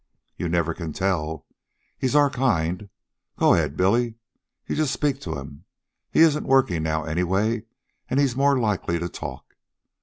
"You never can tell. He's our kind. Go ahead, Billy. You just speak to him. He isn't working now anyway, and he'll be more likely to talk.